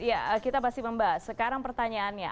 iya kita pasti membahas sekarang pertanyaannya